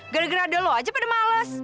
gara gara ada lo aja pada males